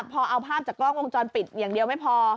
พอเอาภาพจากกล้องวงจรปิดอย่างเดียวไม่พอ